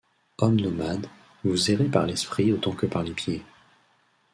Homme nomade, vous errez par l’esprit autant que par les pieds.